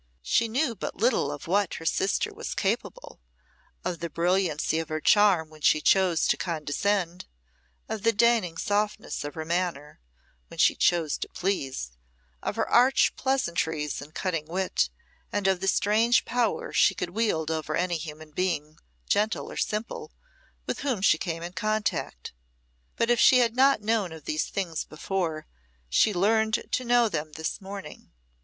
She knew but little of what her sister was capable of the brilliancy of her charm when she chose to condescend, of the deigning softness of her manner when she chose to please, of her arch pleasantries and cutting wit, and of the strange power she could wield over any human being, gentle or simple, with whom she came in contact. But if she had not known of these things before, she learned to know them this morning.